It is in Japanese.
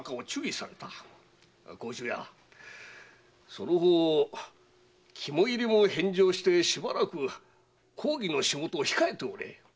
その方肝煎も返上してしばらく公儀の仕事を控えろ。